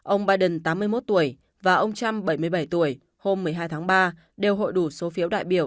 ông biden tám mươi một tuổi và ông trump bảy mươi bảy tuổi hôm một mươi hai tháng ba đều hội đủ số phiếu đại biểu